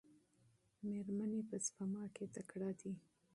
میرمنې په سپما کې تکړه دي.